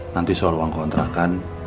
nanti soal uang kontrakan